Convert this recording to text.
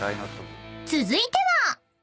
［続いては］